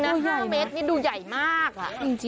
เอาจริงนะ๕เมตรนี่ดูใหญ่มากอ่ะ